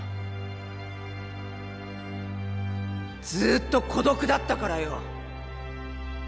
ずっと孤独だったからよ。